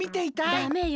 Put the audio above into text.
ダメよ